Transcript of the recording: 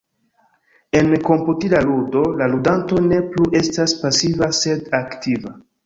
En komputila ludo, la ludanto ne plu estas pasiva sed aktiva.